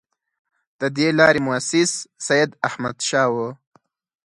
د دې لارې مؤسس سیداحمدشاه وو.